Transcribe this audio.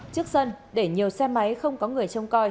trước sân để nhiều xe máy không có người trong